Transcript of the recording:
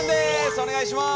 お願いします。